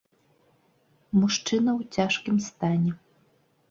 Мужчына ў цяжкім стане.